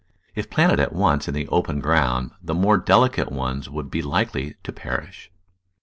If planted at once in the open ground, the more delicate ones would be likely to perish.